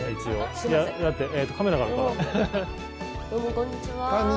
こんにちは。